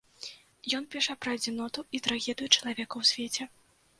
Ён піша пра адзіноту і трагедыю чалавека ў свеце.